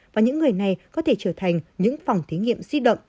và những người này có thể trở thành những phòng thí nghiệm di động